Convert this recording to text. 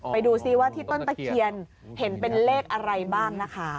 ไปดูซิว่าที่ต้นตะเคียนเห็นเป็นเลขอะไรบ้างนะคะ